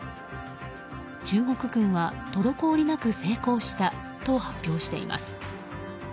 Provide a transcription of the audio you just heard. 中国軍は、滞りなく成功したと発表しています。